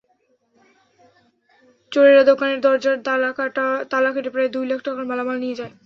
চোরেরা দোকানের দরজার তালা কেটে প্রায় দুই লাখ টাকার মালামাল নিয়ে যায়।